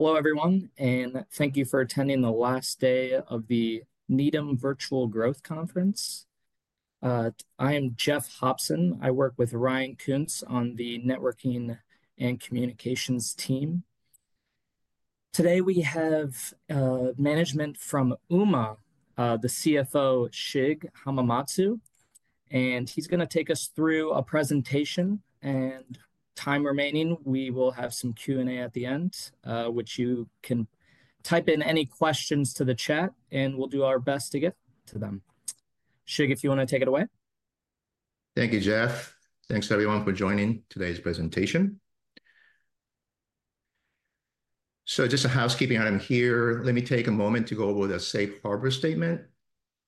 Hello, everyone, and thank you for attending the last day of the Needham Virtual Growth Conference. I am Jeff Hobson. I work with Ryan Koontz on the Networking and Communications team. Today we have management from Ooma, the CFO, Shig Hamamatsu, and he's going to take us through a presentation, and time remaining, we will have some Q&A at the end, which you can type in any questions to the chat, and we'll do our best to get to them. Shig, if you want to take it away. Thank you, Jeff. Thanks, everyone, for joining today's presentation. So just a housekeeping item here. Let me take a moment to go over the Safe Harbor Statement.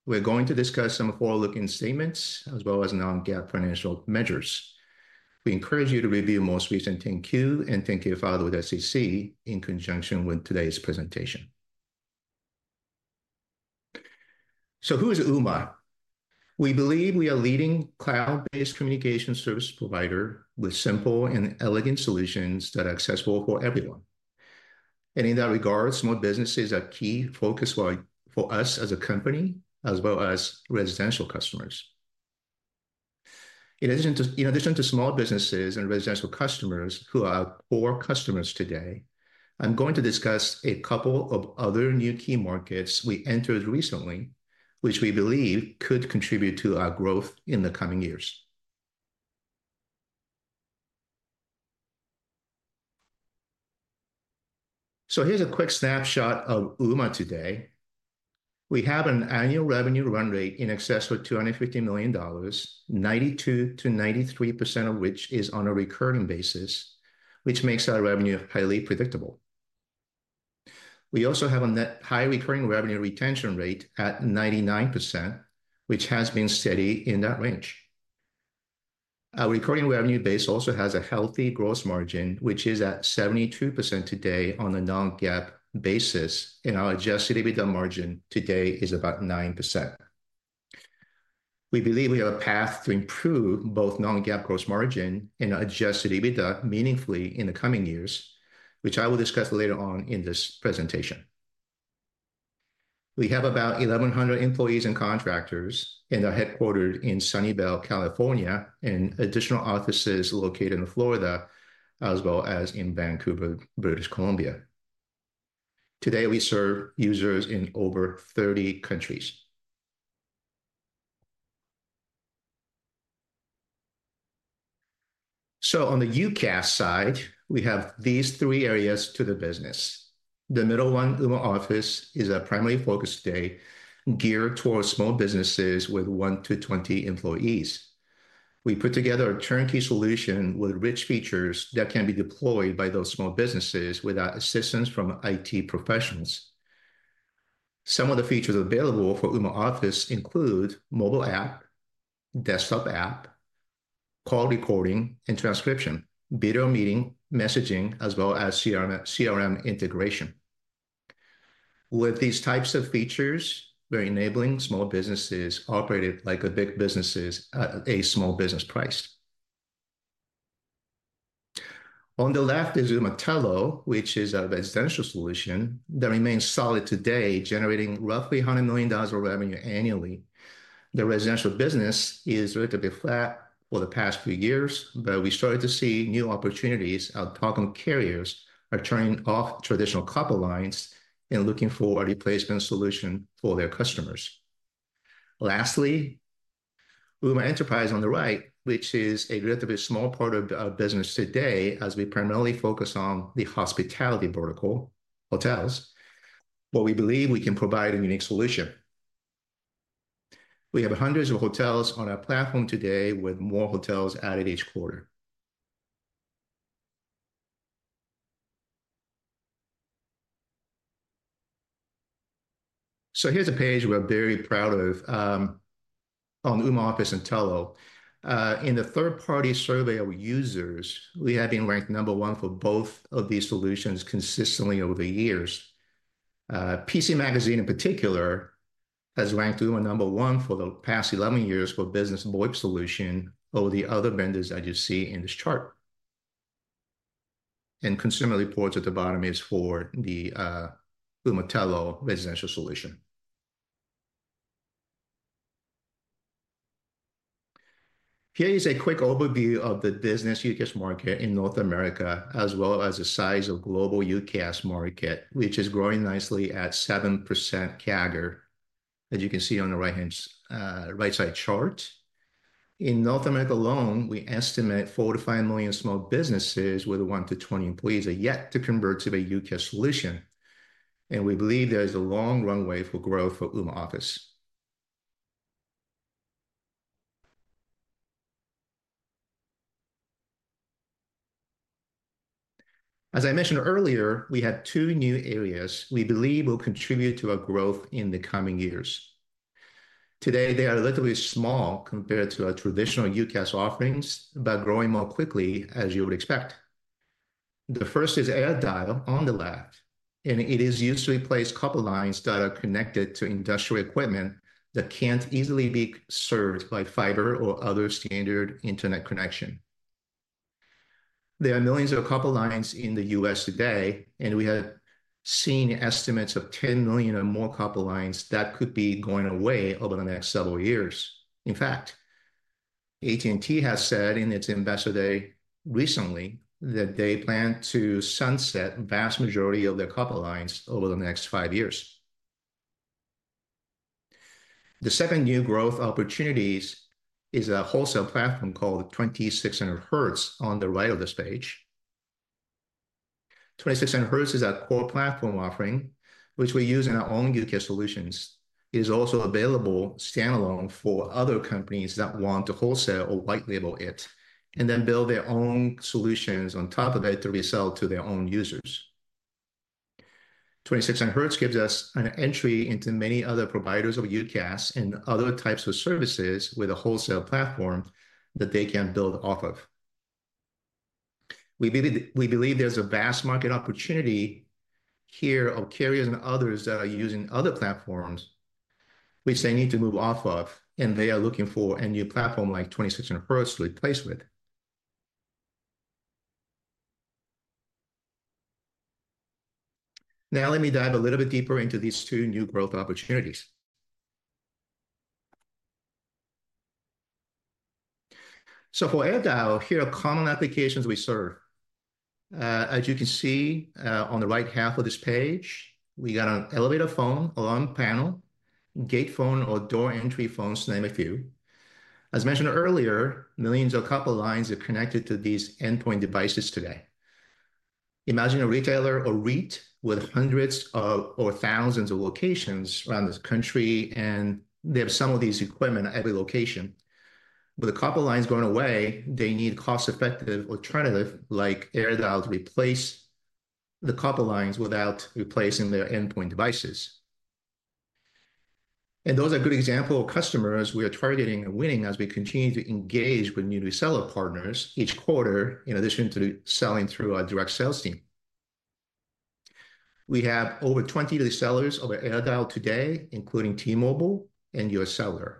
We're going to discuss some forward-looking statements as well as non-GAAP financial measures. We encourage you to review the most recent 10-K and 10-Q filed with the SEC in conjunction with today's presentation. So who is Ooma? We believe we are a leading cloud-based communication service provider with simple and elegant solutions that are accessible for everyone. And in that regard, small businesses are key focus for us as a company, as well as residential customers. In addition to small businesses and residential customers who are our core customers today, I'm going to discuss a couple of other new key markets we entered recently, which we believe could contribute to our growth in the coming years. So here's a quick snapshot of Ooma today. We have an annual revenue run rate in excess of $250 million, 92%-93% of which is on a recurring basis, which makes our revenue highly predictable. We also have a high recurring revenue retention rate at 99%, which has been steady in that range. Our recurring revenue base also has a healthy gross margin, which is at 72% today on a non-GAAP basis, and our adjusted EBITDA margin today is about 9%. We believe we have a path to improve both non-GAAP gross margin and adjusted EBITDA meaningfully in the coming years, which I will discuss later on in this presentation. We have about 1,100 employees and contractors, and they're headquartered in Sunnyvale, California, and additional offices located in Florida, as well as in Vancouver, British Columbia. Today, we serve users in over 30 countries. On the UCaaS side, we have these three areas to the business. The middle one, Ooma Office, is a primary focus today, geared towards small businesses with one to 20 employees. We put together a turnkey solution with rich features that can be deployed by those small businesses without assistance from IT professionals. Some of the features available for Ooma Office include mobile app, desktop app, call recording and transcription, video meeting, messaging, as well as CRM integration. With these types of features, we're enabling small businesses operating like big businesses at a small business price. On the left is Ooma Telo, which is a residential solution that remains solid today, generating roughly $100 million of revenue annually. The residential business is relatively flat for the past few years, but we started to see new opportunities. Our telecom carriers are turning off traditional copper lines and looking for a replacement solution for their customers. Lastly, Ooma Enterprise on the right, which is a relatively small part of our business today, as we primarily focus on the hospitality vertical, hotels, where we believe we can provide a unique solution. We have hundreds of hotels on our platform today, with more hotels added each quarter. So here's a page we're very proud of on Ooma Office and Telo. In the third-party survey of users, we have been ranked number one for both of these solutions consistently over the years. PC Magazine, in particular, has ranked Ooma number one for the past 11 years for business VoIP solution over the other vendors that you see in this chart, and Consumer Reports at the bottom is for the Ooma Telo residential solution. Here is a quick overview of the business UCaaS market in North America, as well as the size of the global UCaaS market, which is growing nicely at 7% CAGR, as you can see on the right-hand side chart. In North America alone, we estimate 4 million-5 million small businesses with one to 20 employees are yet to convert to a UCaaS solution. And we believe there is a long runway for growth for Ooma Office. As I mentioned earlier, we had two new areas we believe will contribute to our growth in the coming years. Today, they are relatively small compared to our traditional UCaaS offerings, but growing more quickly, as you would expect. The first is AirDial on the left, and it is used to replace copper lines that are connected to industrial equipment that can't easily be served by fiber or other standard internet connection. There are millions of copper lines in the U.S. today, and we have seen estimates of 10 million or more copper lines that could be going away over the next several years. In fact, AT&T has said in its investor day recently that they plan to sunset the vast majority of their copper lines over the next five years. The second new growth opportunity is a wholesale platform called 2600Hz on the right of this page. 2600Hz is our core platform offering, which we use in our own UCaaS solutions. It is also available standalone for other companies that want to wholesale or white-label it and then build their own solutions on top of it to resell to their own users. 2600Hz gives us an entry into many other providers of UCaaS and other types of services with a wholesale platform that they can build off of. We believe there's a vast market opportunity here of carriers and others that are using other platforms, which they need to move off of, and they are looking for a new platform like 2600Hz to replace with. Now, let me dive a little bit deeper into these two new growth opportunities. So for AirDial, here are common applications we serve. As you can see on the right half of this page, we got an elevator phone, alarm panel, gate phone, or door entry phones, to name a few. As mentioned earlier, millions of copper lines are connected to these endpoint devices today. Imagine a retailer or REIT with hundreds or thousands of locations around this country, and they have some of these equipment at every location. With the copper lines going away, they need a cost-effective alternative like AirDial to replace the copper lines without replacing their endpoint devices. Those are good examples of customers we are targeting and winning as we continue to engage with new reseller partners each quarter, in addition to selling through our direct sales team. We have over 20 resellers over AirDial today, including T-Mobile and UScellular.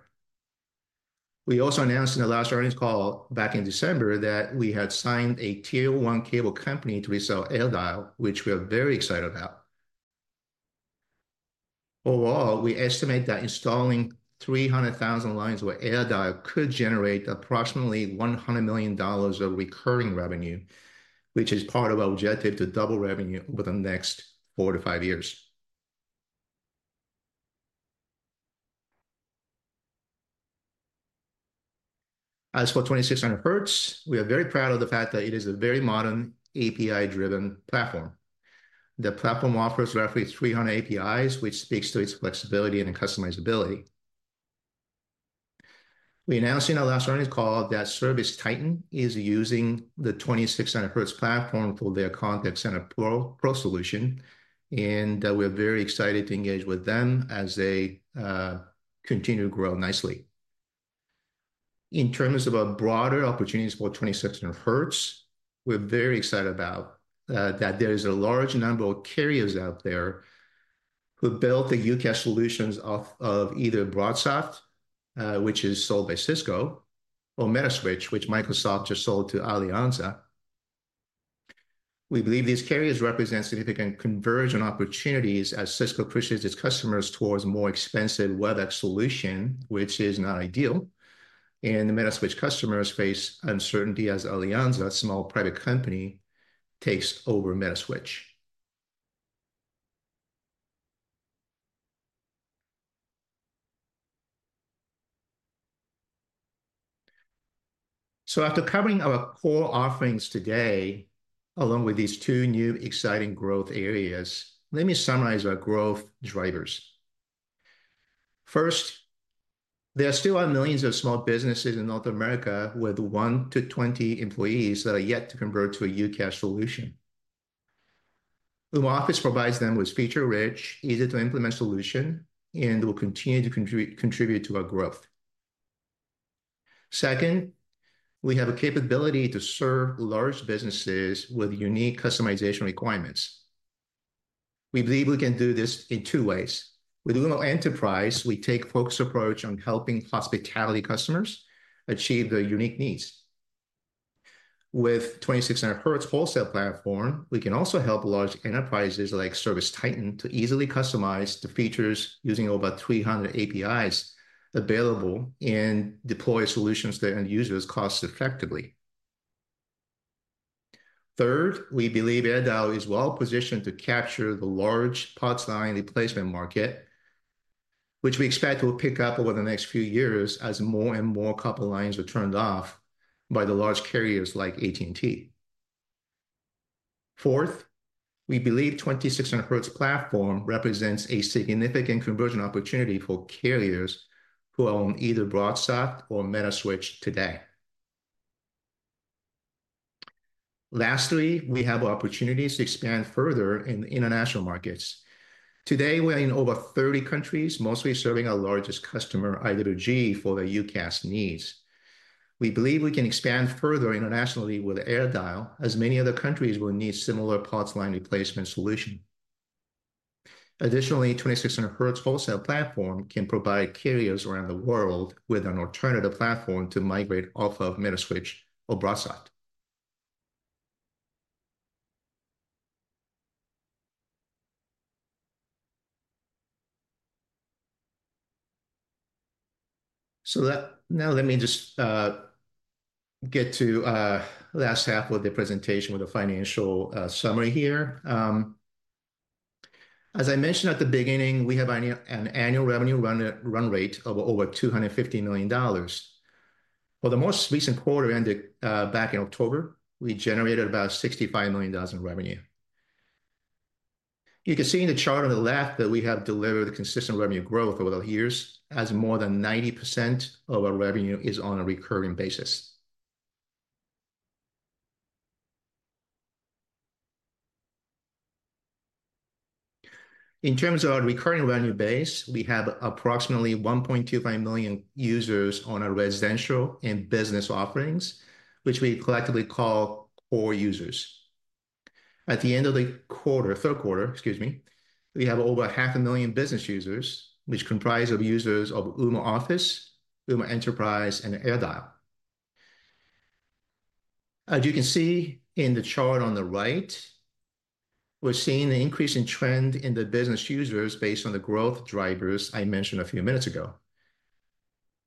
We also announced in the last earnings call back in December that we had signed a tier-one cable company to resell AirDial, which we are very excited about. Overall, we estimate that installing 300,000 lines over AirDial could generate approximately $100 million of recurring revenue, which is part of our objective to double revenue over the next four to five years. As for 2600Hz, we are very proud of the fact that it is a very modern API-driven platform. The platform offers roughly 300 APIs, which speaks to its flexibility and customizability. We announced in our last earnings call that ServiceTitan is using the 2600Hz platform for their Contact Center Pro solution, and we're very excited to engage with them as they continue to grow nicely. In terms of our broader opportunities for 2600Hz, we're very excited about that there is a large number of carriers out there who built the UCaaS solutions of either BroadSoft, which is sold by Cisco, or Metaswitch, which Microsoft just sold to Alianza. We believe these carriers represent significant conversion opportunities as Cisco pushes its customers towards a more expensive Webex solution, which is not ideal, and the Metaswitch customers face uncertainty as Alianza, a small private company, takes over Metaswitch, so after covering our core offerings today, along with these two new exciting growth areas, let me summarize our growth drivers. First, there are still hundred millions of small businesses in North America with one to 20 employees that are yet to convert to a UCaaS solution. Ooma Office provides them with a feature-rich, easy-to-implement solution and will continue to contribute to our growth. Second, we have a capability to serve large businesses with unique customization requirements. We believe we can do this in two ways. With Ooma Enterprise, we take a focused approach on helping hospitality customers achieve their unique needs. With the 2600Hz wholesale platform, we can also help large enterprises like ServiceTitan to easily customize the features using over 300 APIs available and deploy solutions to end users cost-effectively. Third, we believe AirDial is well-positioned to capture the large parts line replacement market, which we expect will pick up over the next few years as more and more copper lines are turned off by the large carriers like AT&T. Fourth, we believe the 2600Hz platform represents a significant conversion opportunity for carriers who own either BroadSoft or Metaswitch today. Lastly, we have opportunities to expand further in international markets. Today, we are in over 30 countries, mostly serving our largest customer, IWG, for their UCaaS needs. We believe we can expand further internationally with AirDial, as many other countries will need similar parts line replacement solutions. Additionally, the 2600Hz wholesale platform can provide carriers around the world with an alternative platform to migrate off of Metaswitch or BroadSoft. So now let me just get to the last half of the presentation with a financial summary here. As I mentioned at the beginning, we have an annual revenue run rate of over $250 million. For the most recent quarter, back in October, we generated about $65 million in revenue. You can see in the chart on the left that we have delivered consistent revenue growth over the years, as more than 90% of our revenue is on a recurring basis. In terms of our recurring revenue base, we have approximately 1.25 million users on our residential and business offerings, which we collectively call core users. At the end of the quarter, third quarter, excuse me, we have over 500,000 business users, which comprise users of Ooma Office, Ooma Enterprise, and AirDial. As you can see in the chart on the right, we're seeing an increasing trend in the business users based on the growth drivers I mentioned a few minutes ago.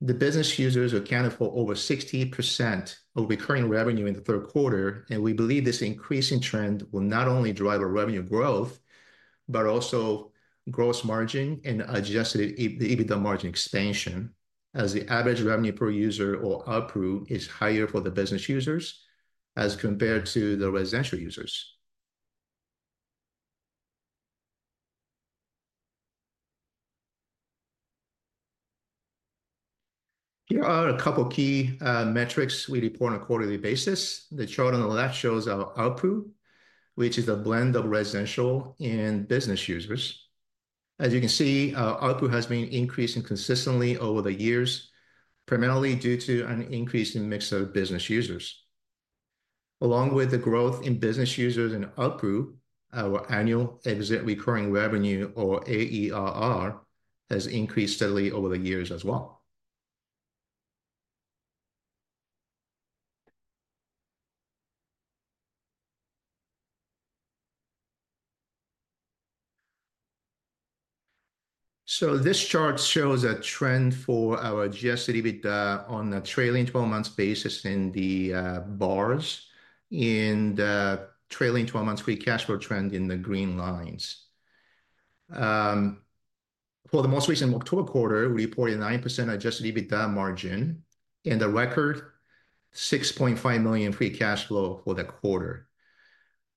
The business users accounted for over 60% of recurring revenue in the third quarter, and we believe this increasing trend will not only drive our revenue growth, but also gross margin and adjusted EBITDA margin expansion, as the average revenue per user or output is higher for the business users as compared to the residential users. Here are a couple of key metrics we report on a quarterly basis. The chart on the left shows our output, which is a blend of residential and business users. As you can see, our output has been increasing consistently over the years, primarily due to an increasing mix of business users. Along with the growth in business users and output, our annual exit recurring revenue, or AERR, has increased steadily over the years as well. So this chart shows a trend for our adjusted EBITDA on a trailing 12-month basis in the bars, and the trailing 12-month free cash flow trend in the green lines. For the most recent October quarter, we reported a 9% adjusted EBITDA margin, and the record $6.5 million free cash flow for the quarter.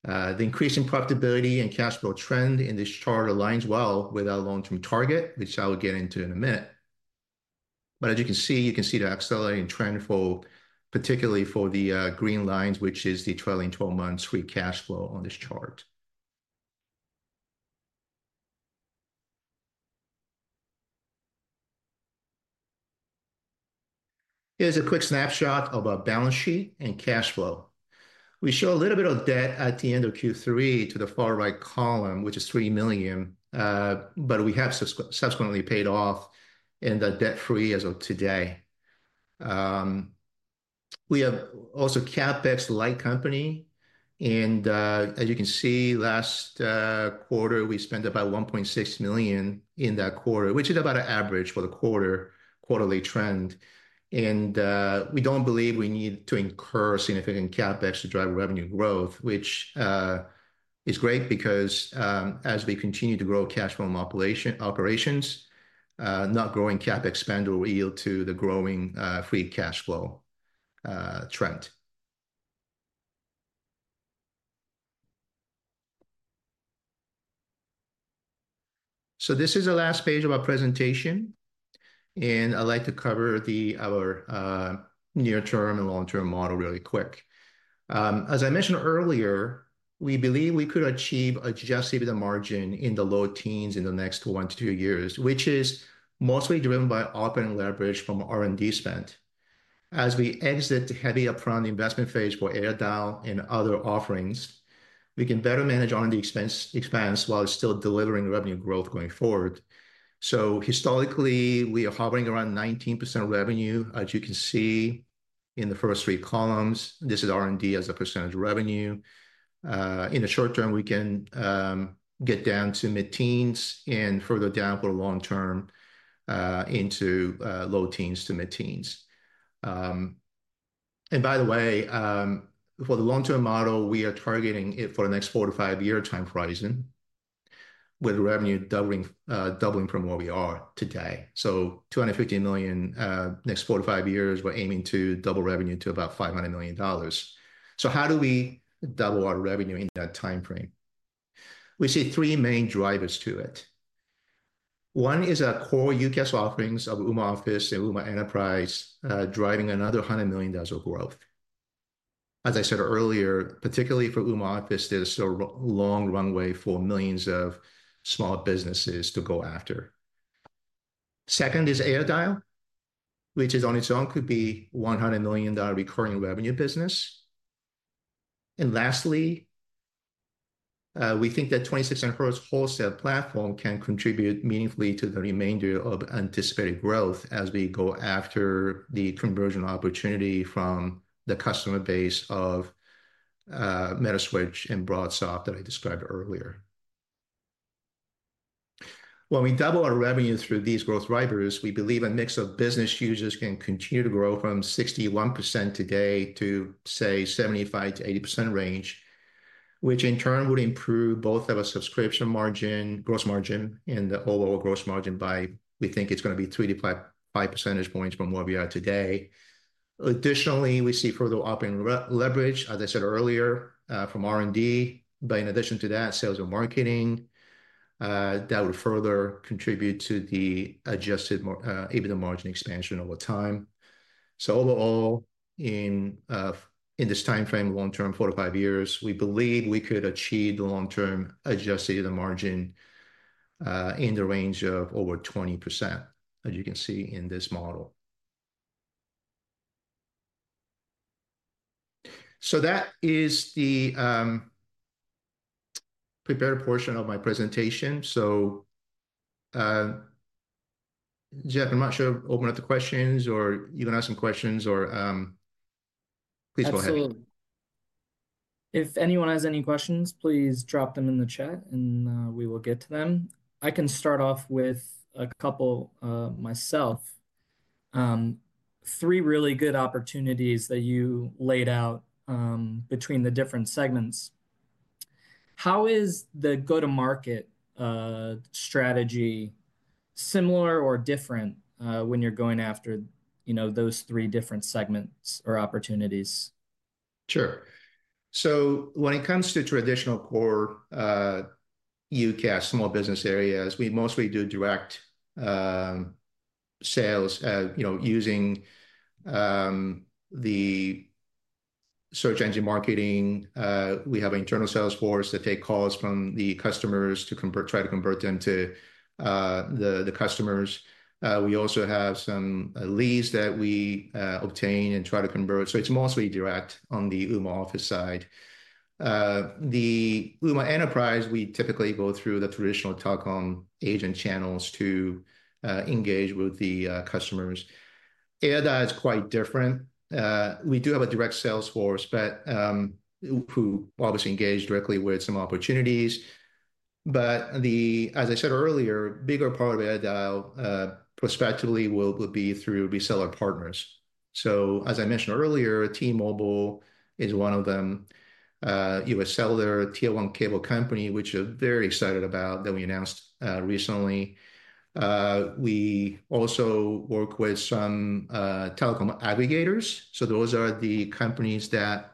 The increasing profitability and cash flow trend in this chart aligns well with our long-term target, which I will get into in a minute. But as you can see the accelerating trend for, particularly for the green lines, which is the trailing 12-month free cash flow on this chart. Here's a quick snapshot of our balance sheet and cash flow. We show a little bit of debt at the end of Q3 to the far right column, which is $3 million, but we have subsequently paid off and are debt-free as of today. We have also CapEx-light company, and as you can see, last quarter, we spent about $1.6 million in that quarter, which is about an average for the quarterly trend. And we don't believe we need to incur significant CapEx to drive revenue growth, which is great because as we continue to grow cash flow operations, not growing CapEx spend will yield to the growing free cash flow trend. So this is the last page of our presentation, and I'd like to cover our near-term and long-term model really quick. As I mentioned earlier, we believe we could achieve adjusted EBITDA margin in the low teens in the next one to two years, which is mostly driven by operating leverage from R&D spend. As we exit the heavy upfront investment phase for AirDial and other offerings, we can better manage R&D expense while still delivering revenue growth going forward, so historically, we are hovering around 19% revenue, as you can see in the first three columns. This is R&D as a percentage of revenue. In the short term, we can get down to mid-teens and further down for the long term into low teens to mid-teens, and by the way, for the long-term model, we are targeting it for the next four- to five-year time horizon, with revenue doubling from where we are today. So $250 million next four to five years, we're aiming to double revenue to about $500 million. So how do we double our revenue in that time frame? We see three main drivers to it. One is our core UCaaS offerings of Ooma Office and Ooma Enterprise driving another $100 million of growth. As I said earlier, particularly for Ooma Office, there's a long runway for millions of small businesses to go after. Second is AirDial, which on its own could be a $100 million recurring revenue business. And lastly, we think that the 2600Hz wholesale platform can contribute meaningfully to the remainder of anticipated growth as we go after the conversion opportunity from the customer base of Metaswitch and BroadSoft that I described earlier. When we double our revenue through these growth drivers, we believe a mix of business users can continue to grow from 61% today to, say, 75%-80% range, which in turn would improve both of our subscription margin, gross margin, and the overall gross margin by, we think it's going to be three percentage points to five percentage points from where we are today. Additionally, we see further operating leverage, as I said earlier, from R&D, but in addition to that, sales and marketing that would further contribute to the adjusted EBITDA margin expansion over time. Overall, in this time frame, long term, four to five years, we believe we could achieve the long-term adjusted EBITDA margin in the range of over 20%, as you can see in this model. That is the prepared portion of my presentation. So, Jeff, I'm not sure if I opened up the questions or you're going to ask some questions or please go ahead. Absolutely. If anyone has any questions, please drop them in the chat and we will get to them. I can start off with a couple myself. Three really good opportunities that you laid out between the different segments. How is the go-to-market strategy similar or different when you're going after those three different segments or opportunities? Sure. So when it comes to traditional core UCaaS small business areas, we mostly do direct sales using the search engine marketing. We have an internal sales force that takes calls from the customers to try to convert them to the customers. We also have some leads that we obtain and try to convert. So it's mostly direct on the Ooma Office side. The Ooma Enterprise, we typically go through the traditional telecom agent channels to engage with the customers. AirDial is quite different. We do have a direct sales force who obviously engages directly with some opportunities, but as I said earlier, a bigger part of AirDial prospectively would be through reseller partners, so as I mentioned earlier, T-Mobile is one of them. You have seller, Tier 1 cable company, which we are very excited about that we announced recently. We also work with some telecom aggregators, so those are the companies that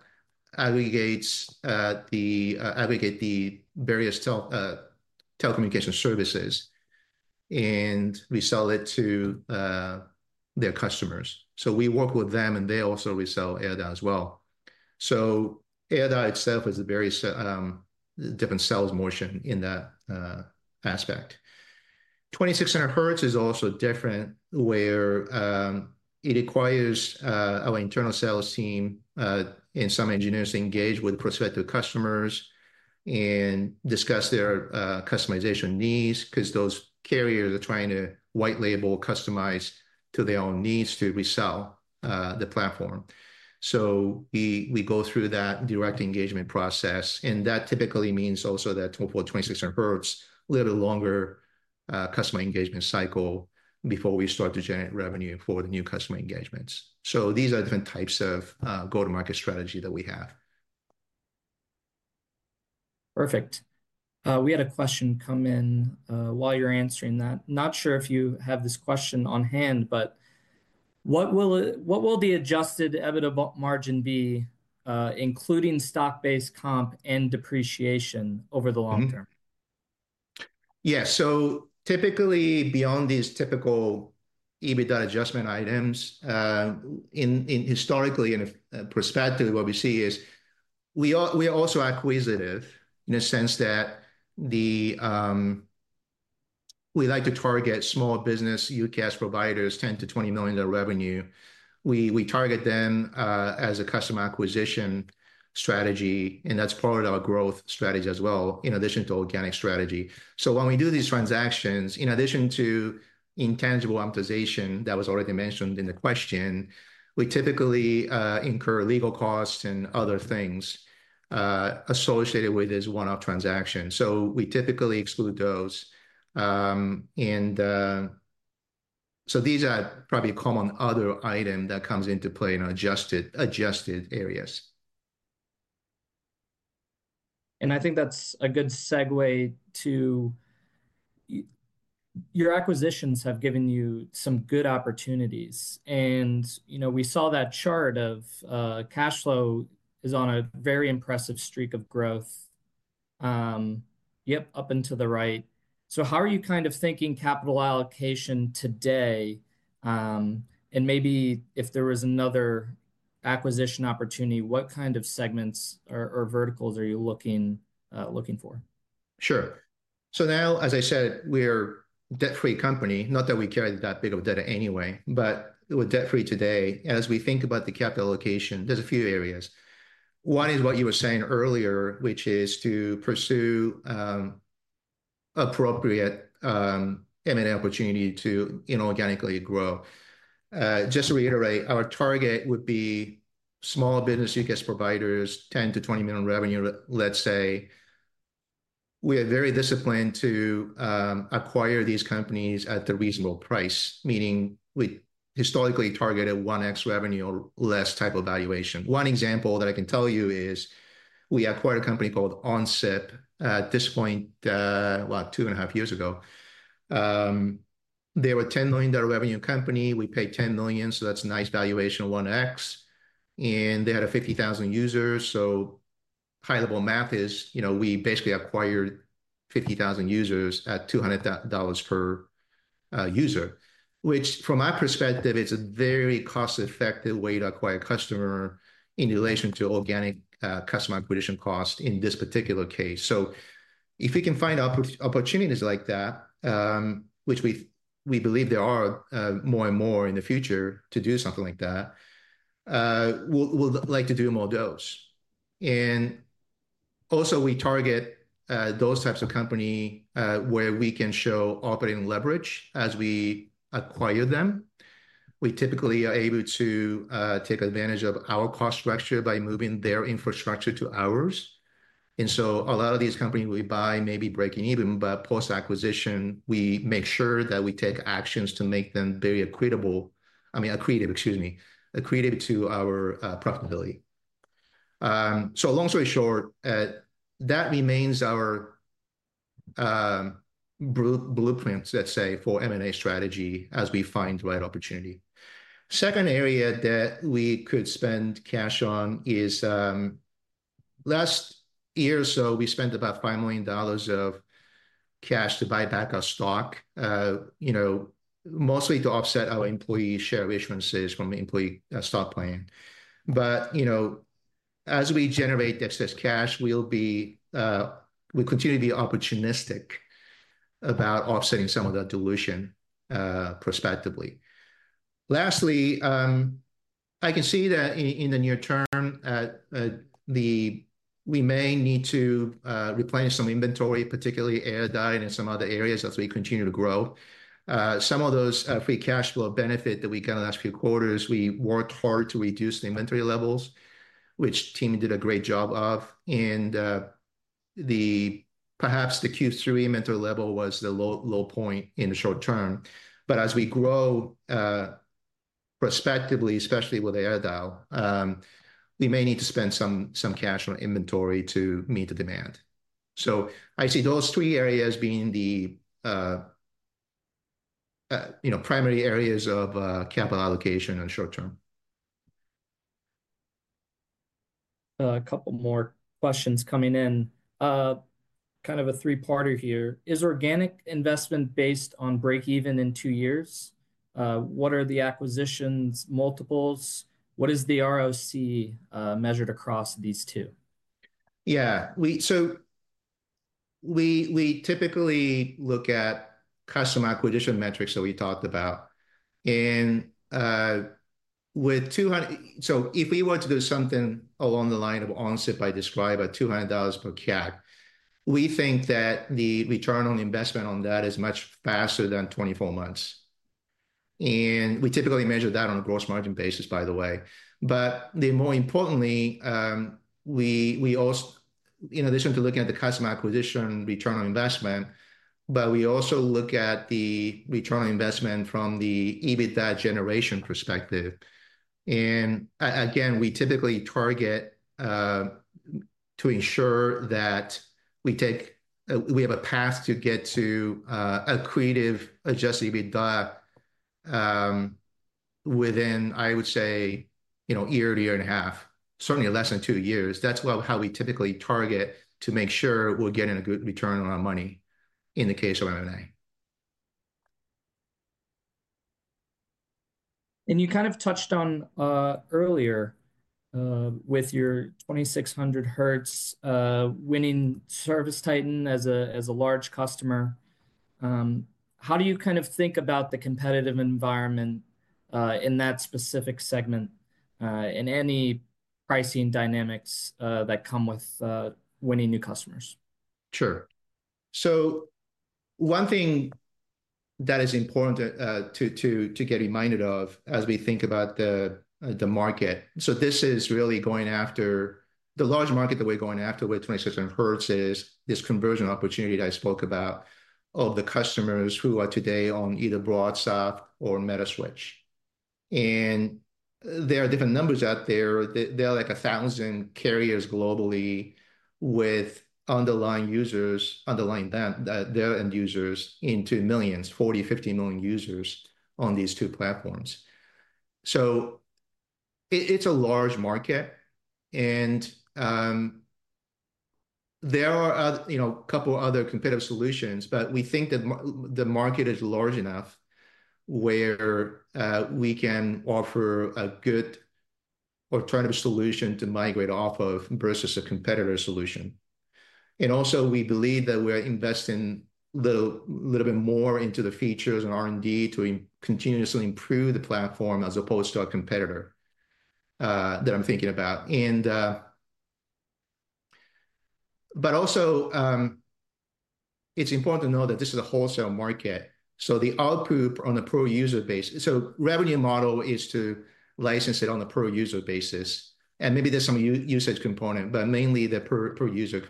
aggregate the various telecommunication services, and we sell it to their customers, so we work with them, and they also resell AirDial as well, so AirDial itself is a very different sales motion in that aspect. 2600Hz is also different where it requires our internal sales team and some engineers to engage with prospective customers and discuss their customization needs because those carriers are trying to white label, customize to their own needs to resell the platform. So we go through that direct engagement process, and that typically means also that for 2600Hz, a little longer customer engagement cycle before we start to generate revenue for the new customer engagements. So these are different types of go-to-market strategy that we have. Perfect. We had a question come in while you're answering that. Not sure if you have this question on hand, but what will the adjusted EBITDA margin be, including stock-based comp and depreciation over the long term? Yeah. So typically, beyond these typical EBITDA adjustment items, historically and prospectively, what we see is we are also acquisitive in the sense that we like to target small business UCaaS providers, $10 million-$20 million in revenue. We target them as a customer acquisition strategy, and that's part of our growth strategy as well, in addition to organic strategy. So when we do these transactions, in addition to intangible amortization that was already mentioned in the question, we typically incur legal costs and other things associated with this one-off transaction. So we typically exclude those. And so these are probably common other items that come into play in adjusted areas. And I think that's a good segue to your acquisitions have given you some good opportunities. And we saw that chart of cash flow is on a very impressive streak of growth. Yep, up and to the right. So how are you kind of thinking capital allocation today? And maybe if there was another acquisition opportunity, what kind of segments or verticals are you looking for? Sure. So now, as I said, we're a debt-free company. Not that we carry that big of debt anyway, but we're debt-free today. As we think about the capital allocation, there's a few areas. One is what you were saying earlier, which is to pursue appropriate M&A opportunity to organically grow. Just to reiterate, our target would be small business UCaaS providers, $10 million-$20 million revenue, let's say. We are very disciplined to acquire these companies at a reasonable price, meaning we historically targeted 1x revenue or less type of valuation. One example that I can tell you is we acquired a company called OnSIP at this point, well, two and a half years ago. They were a $10 million revenue company. We paid $10 million, so that's a nice valuation, 1x. And they had 50,000 users. So high-level math is we basically acquired 50,000 users at $200 per user, which from my perspective, it's a very cost-effective way to acquire a customer in relation to organic customer acquisition cost in this particular case. So if we can find opportunities like that, which we believe there are more and more in the future to do something like that, we'd like to do more of those. And also, we target those types of companies where we can show operating leverage as we acquire them. We typically are able to take advantage of our cost structure by moving their infrastructure to ours. A lot of these companies we buy may be breaking even, but post-acquisition, we make sure that we take actions to make them very equitable. I mean, accretive. Excuse me, accretive to our profitability. So long story short, that remains our blueprint, let's say, for M&A strategy as we find the right opportunity. Second area that we could spend cash on is last year or so, we spent about $5 million of cash to buy back our stock, mostly to offset our employee share issuances from the employee stock plan. But as we generate excess cash, we'll continue to be opportunistic about offsetting some of that dilution prospectively. Lastly, I can see that in the near term, we may need to replenish some inventory, particularly AirDial and some other areas as we continue to grow. Some of those free cash flow benefits that we got in the last few quarters. We worked hard to reduce the inventory levels, which the team did a great job of, and perhaps the Q3 inventory level was the low point in the short term, but as we grow prospectively, especially with AirDial, we may need to spend some cash on inventory to meet the demand, so I see those three areas being the primary areas of capital allocation in the short term. A couple more questions coming in. Kind of a three-parter here. Is organic investment based on break-even in two years? What are the acquisitions, multiples? What is the ROC measured across these two? Yeah, so we typically look at customer acquisition metrics that we talked about. And so if we were to do something along the line of OnSIP, I described at $200 per cap, we think that the return on investment on that is much faster than 24 months. And we typically measure that on a gross margin basis, by the way. But more importantly, in addition to looking at the customer acquisition return on investment, but we also look at the return on investment from the EBITDA generation perspective. And again, we typically target to ensure that we have a path to get to accretive adjusted EBITDA within, I would say, a year to year and a half, certainly less than two years. That's how we typically target to make sure we're getting a good return on our money in the case of M&A. And you kind of touched on earlier with your 2600Hz winning ServiceTitan as a large customer. How do you kind of think about the competitive environment in that specific segment and any pricing dynamics that come with winning new customers? Sure. So one thing that is important to get reminded of as we think about the market, so this is really going after the large market that we're going after with 2600Hz is this conversion opportunity that I spoke about of the customers who are today on either BroadSoft or Metaswitch. And there are different numbers out there. There are like 1,000 carriers globally with underlying users, underlying their end users into millions, 40 million, 50 million users on these two platforms. So it's a large market. And there are a couple of other competitive solutions, but we think that the market is large enough where we can offer a good alternative solution to migrate off of versus a competitor solution. And also, we believe that we're investing a little bit more into the features and R&D to continuously improve the platform as opposed to a competitor that I'm thinking about. But also, it's important to know that this is a wholesale market. So the ARPU on a per-user basis, so revenue model is to license it on a per-user basis. And maybe there's some usage component, but mainly the per-user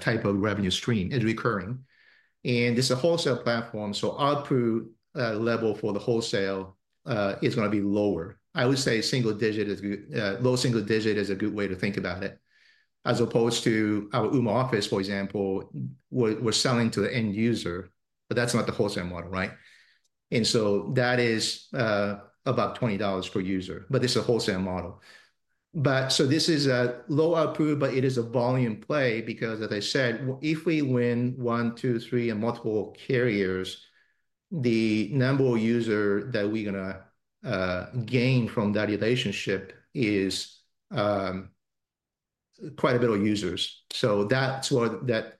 type of revenue stream is recurring. And this is a wholesale platform, so ARPU level for the wholesale is going to be lower. I would say single digit, low single digit is a good way to think about it. As opposed to our Ooma Office, for example, we're selling to the end user, but that's not the wholesale model, right? And so that is about $20 per user, but this is a wholesale model. But so this is a low ARPU, but it is a volume play because, as I said, if we win one, two, three, and multiple carriers, the number of users that we're going to gain from that relationship is quite a bit of users. So that's where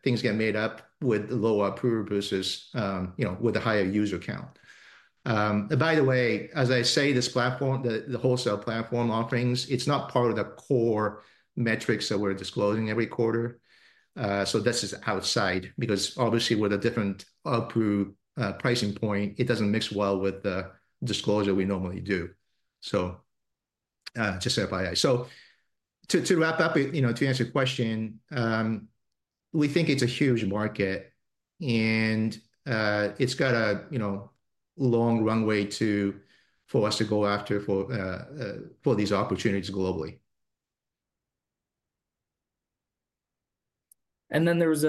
things get made up with lower ARPU versus with a higher user count. By the way, as I say, this platform, the wholesale platform offerings, it's not part of the core metrics that we're disclosing every quarter. So this is outside because obviously, with a different ARPU pricing point, it doesn't mix well with the disclosure we normally do. So just FYI. So to wrap up, to answer your question, we think it's a huge market, and it's got a long runway for us to go after for these opportunities globally. Then there was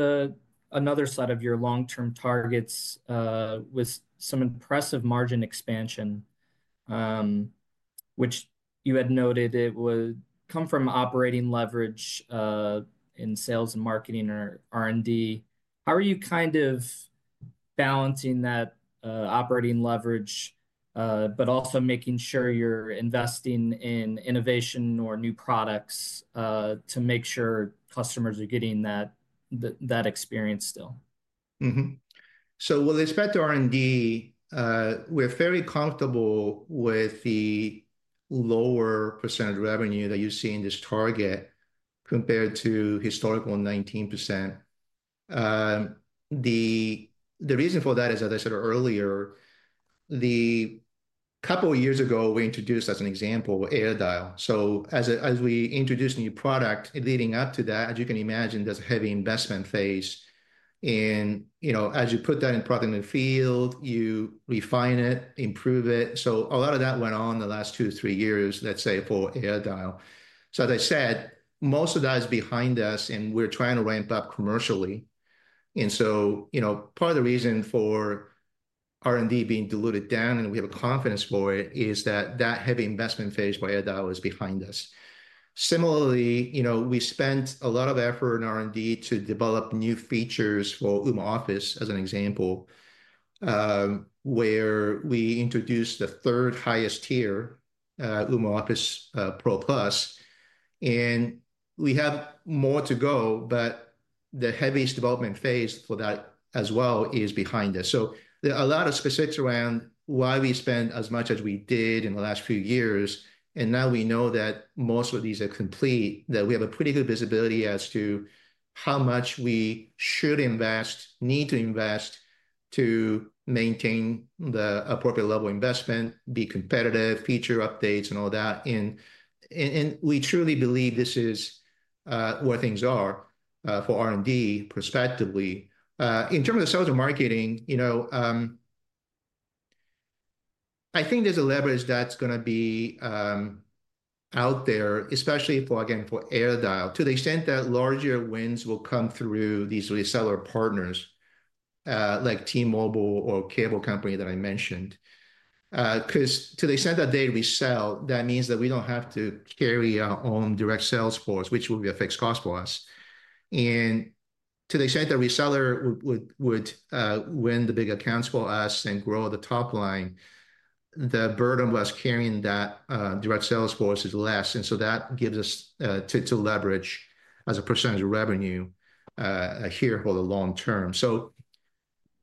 another set of your long-term targets with some impressive margin expansion, which you had noted it would come from operating leverage in sales and marketing or R&D. How are you kind of balancing that operating leverage, but also making sure you're investing in innovation or new products to make sure customers are getting that experience still? With respect to R&D, we're very comfortable with the lower percentage revenue that you see in this target compared to historical 19%. The reason for that is, as I said earlier, a couple of years ago, we introduced, as an example, AirDial. As we introduced a new product leading up to that, as you can imagine, there's a heavy investment phase. As you put that product in the field, you refine it, improve it. So, a lot of that went on the last two to three years, let's say, for AirDial. So, as I said, most of that is behind us, and we're trying to ramp up commercially. And so, part of the reason for R&D being diluted down and we have a confidence for it is that that heavy investment phase by AirDial is behind us. Similarly, we spent a lot of effort in R&D to develop new features for Ooma Office, as an example, where we introduced the third highest tier, Ooma Office Pro Plus. And we have more to go, but the heaviest development phase for that as well is behind us. So, there are a lot of specifics around why we spent as much as we did in the last few years. Now we know that most of these are complete, that we have a pretty good visibility as to how much we should invest, need to invest to maintain the appropriate level of investment, be competitive, feature updates, and all that. We truly believe this is where things are for R&D prospectively. In terms of sales and marketing, I think there's a leverage that's going to be out there, especially for, again, for AirDial, to the extent that larger wins will come through these reseller partners like T-Mobile or cable company that I mentioned. Because to the extent that they resell, that means that we don't have to carry our own direct sales force, which will be a fixed cost for us. And to the extent that reseller would win the big accounts for us and grow the top line, the burden of us carrying that direct sales force is less. And so that gives us to leverage as a percentage of revenue here for the long term. So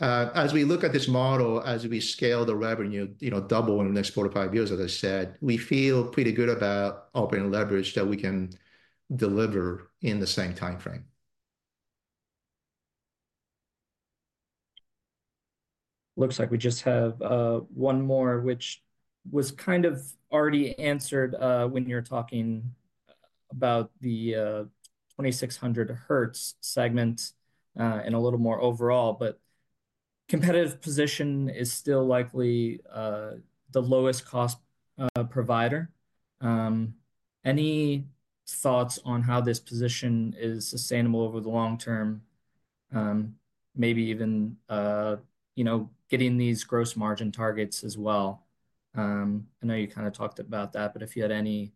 as we look at this model, as we scale the revenue double in the next four to five years, as I said, we feel pretty good about operating leverage that we can deliver in the same timeframe. Looks like we just have one more, which was kind of already answered when you were talking about the 2600Hz segment and a little more overall, but competitive position is still likely the lowest cost provider. Any thoughts on how this position is sustainable over the long term, maybe even getting these gross margin targets as well? I know you kind of talked about that, but if you had any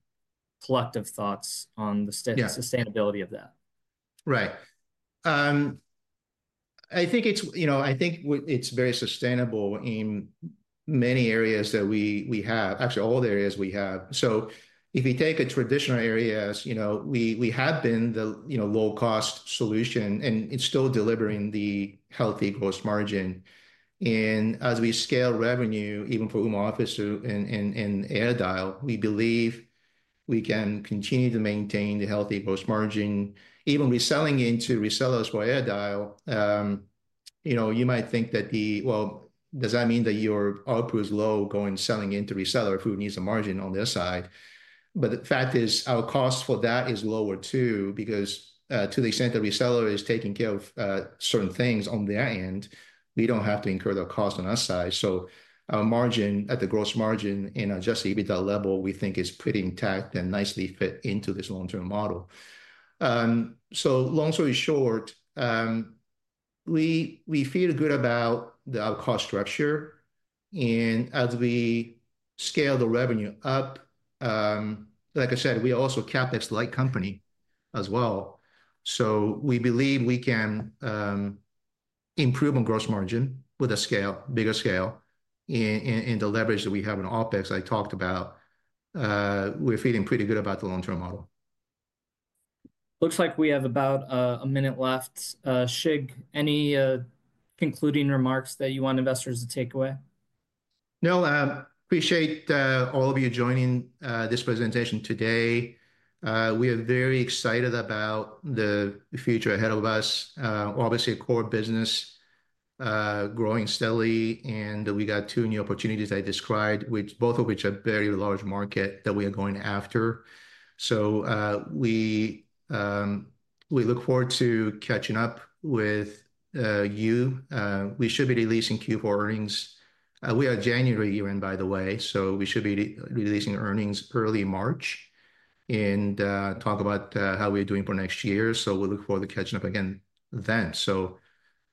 collective thoughts on the sustainability of that? Right. I think it's very sustainable in many areas that we have, actually all the areas we have. So if you take a traditional area, we have been the low-cost solution, and it's still delivering the healthy gross margin. And as we scale revenue, even for Ooma Office and AirDial, we believe we can continue to maintain the healthy gross margin, even reselling into resellers for AirDial. You might think that, well, does that mean that your ARPU is low going selling into reseller who needs a margin on their side? But the fact is, our cost for that is lower too because to the extent that reseller is taking care of certain things on their end, we don't have to incur the cost on our side. So, our margin at the gross margin and adjusted EBITDA level, we think, is pretty intact and nicely fit into this long-term model. So, long story short, we feel good about our cost structure. And as we scale the revenue up, like I said, we are also a CapEx-like company as well. So, we believe we can improve on gross margin with a scale, bigger scale. And the leverage that we have in OpEx I talked about, we're feeling pretty good about the long-term model. Looks like we have about a minute left. Shig, any concluding remarks that you want investors to take away? No, appreciate all of you joining this presentation today. We are very excited about the future ahead of us. Obviously, core business growing steadily, and we got two new opportunities I described, both of which are very large market that we are going after. So we look forward to catching up with you. We should be releasing Q4 earnings. We are January year-end, by the way, so we should be releasing earnings early March and talk about how we're doing for next year. So we look forward to catching up again then. So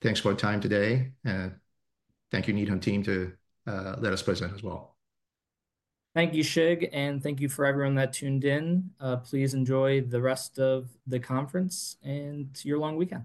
thanks for your time today. And thank you, Nita and team, to let us present as well. Thank you, Shig, and thank you for everyone that tuned in. Please enjoy the rest of the conference and your long weekend.